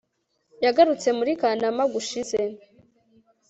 yagarutse muri kanama gushize